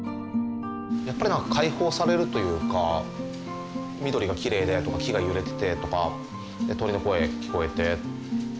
やっぱり何か緑がきれいでとか木が揺れててとかで鳥の声聞こえて。